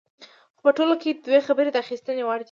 خو په ټوله کې دوه خبرې د اخیستنې وړ دي.